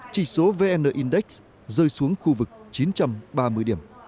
chỉ số vn index rơi xuống khu vực chín trăm ba mươi điểm